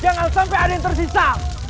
jangan sampai ada yang tersisa